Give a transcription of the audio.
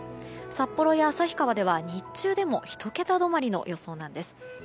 札幌や旭川では日中でも１桁止まりの予想なんです。